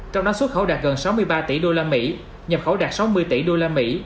trong đó xuất khẩu đạt gần sáu mươi ba tỷ usd nhập khẩu đạt sáu mươi tỷ usd